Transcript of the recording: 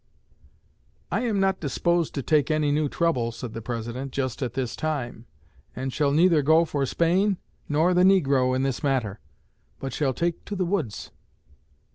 'I am not disposed to take any new trouble,' said the President, 'just at this time, and shall neither go for Spain nor the negro in this matter, but shall take to the woods.'"